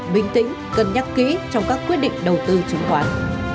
bình tĩnh cân nhắc kỹ trong các quyết định đầu tư chứng khoán